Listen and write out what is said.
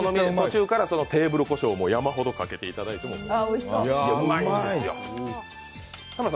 途中からテーブルこしょうも山ほどかけていただいても。